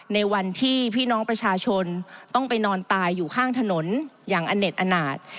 ในวันที่พี่น้องประชาชนต้องไปนอนตายอยู่ข้างถนนอย่างอเน็ตอนาจ